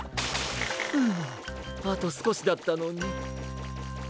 うんあとすこしだったのに。